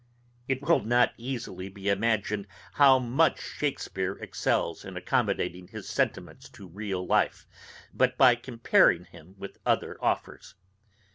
It will not easily be imagined how much Shakespeare excells in accommodating his sentiments to real life, but by comparing him with other authors.